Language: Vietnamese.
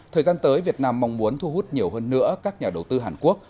thời gian tới việt nam mong muốn thu hút nhiều hơn nữa các nhà đầu tư hàn quốc